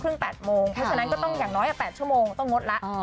เพราะฉะนั้นก็ต้องอย่างน้อย๘ชั่วโมงต้องงดแล้ว